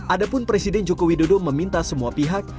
adapun presiden jokowi dodo meminta semua pihak